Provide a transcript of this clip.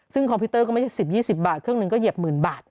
ซึ่งคอมพิวเตอร์ก็ไม่ใช่๑๐๒๐บาทเครื่องหนึ่งก็เหยียบหมื่นบาท